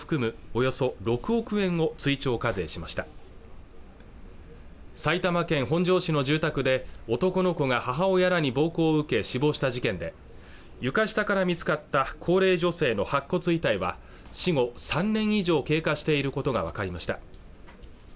およそ６億円を追徴課税しました埼玉県本庄市の住宅で男の子が母親らに暴行を受け死亡した事件で床下から見つかった高齢女性の白骨遺体は死後３年以上経過していることが分かりました